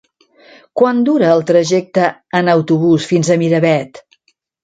Quant dura el trajecte en autobús fins a Miravet?